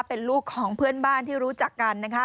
เป็นลูกของเพื่อนบ้านที่รู้จักกันนะคะ